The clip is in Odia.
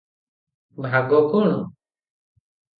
ଭାଗ କଣ?